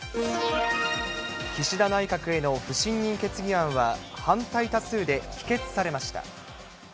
岸田内閣への不信任決議案は、反対多数で否決されました。